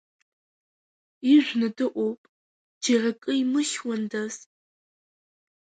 Ижәны дыҟоуп, џьара акы имыхьуандаз?